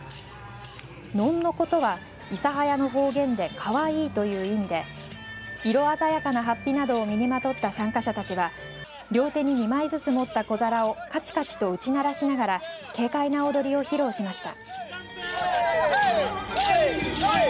のんのことは諫早の方言でかわいいという意味で色鮮やかなはっぴなどを身にまとった参加者たちは両手に２枚ずつ持った小皿をカチカチと打ち鳴らしながら軽快な踊りを披露しました。